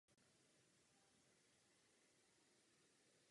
Zatím bylo schváleno jen několik operačních programů strukturálních fondů.